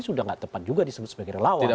sudah tidak tepat juga disebut sebagai relawan